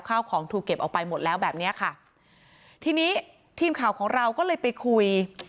ข้าวของถูกเก็บออกไปหมดแล้วแบบเนี้ยค่ะทีนี้ทีมข่าวของเราก็เลยไปคุย